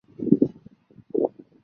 大学头。